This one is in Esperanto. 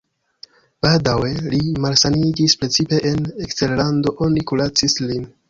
Baldaŭe li malsaniĝis, precipe en eksterlando oni kuracis lin.